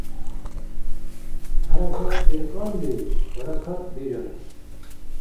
ХӀяракат биркьалли — баракат бирар.